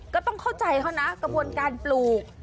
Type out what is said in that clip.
ก็ต้องเข้าใจเขานะกระบวนการปลูก